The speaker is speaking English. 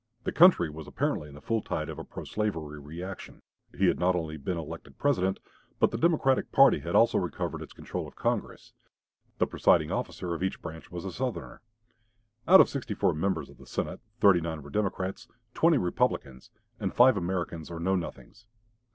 The country was apparently in the full tide of a pro slavery reaction. He had not only been elected President, but the Democratic party had also recovered its control of Congress. The presiding officer of each branch was a Southerner. Out of 64 members of the Senate, 39 were Democrats, 20 Republicans, and five Americans or Know Nothings.